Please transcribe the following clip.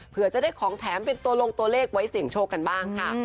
เพื่อจะได้ของแถมเป็นตัวลงตัวเลขไว้เสี่ยงโชคกันบ้างค่ะ